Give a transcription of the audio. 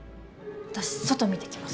私外見てきます。